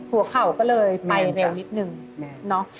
หัวเข่าก็เลยไปเร็วนิดหนึ่งเนอะแมนจ๊ะ